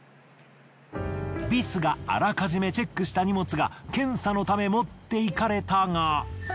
ビスがあらかじめチェックした荷物が検査のため持っていかれたが。